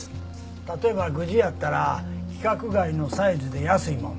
例えばグジやったら規格外のサイズで安いもん